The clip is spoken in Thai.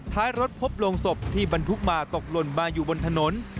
ท้ายรถพบโรงศพที่บรรทุกมาตกหล่นมาอยู่บนถนน